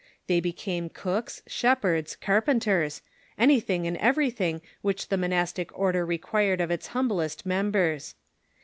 They became cooks, shepherds, carpenters — anything and every thing which the monastic order required of its humblest mem bers.